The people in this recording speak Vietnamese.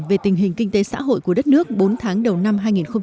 về tình hình kinh tế xã hội của đất nước bốn tháng đầu năm hai nghìn một mươi chín